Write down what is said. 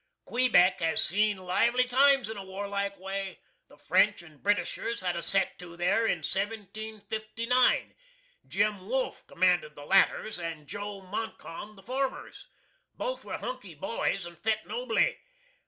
Quebeck has seen lively times in a warlike way. The French and Britishers had a set to there in 1759. JIM WOLFE commanded the latters, and JO. MONTCALM the formers. Both were hunky boys, and fit nobly.